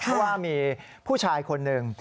เพราะว่ามีผู้ชายคนหนึ่ง